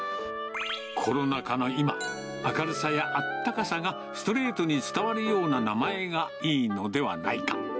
コロナ禍の今、明るさやあったかさがストレートに伝わるような名前がいいのではないか。